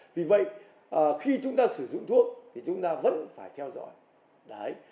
vì vậy khi chúng ta sử dụng thuốc thì chúng ta vẫn phải theo dõi